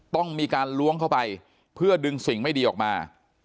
ต้องมีการล้วงเข้าไปเพื่อดึงสิ่งไม่ดีออกมา